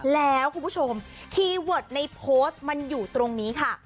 แล้วคุณผู้ชมคีย์เวิร์ดในโพสต์มันอยู่ตรงนี้ค่ะ